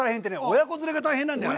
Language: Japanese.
親子連れが大変なんだよね。